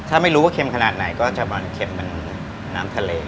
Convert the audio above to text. ถ้าไม่รู้ว่าเข็มขนาดไหนก็จะมีมันเข็มเป็นน้ำทะเล